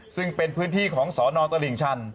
ซึ่งเป็นพื้นที่ของสนตลิ่งชัน